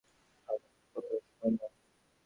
আমার কথা শোন!